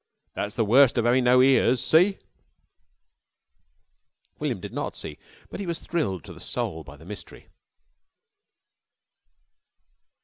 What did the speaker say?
That's the worst of 'aving no ears. See?" William did not see, but he was thrilled to the soul by the mystery.